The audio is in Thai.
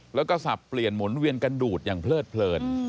แล้วก็สับเปลี่ยนหมุนเวียนกันดูดอย่างเพลิดเพลิน